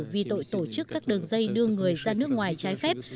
vì tội tổ chức các đường dây đưa người ra nước ngoài trái phép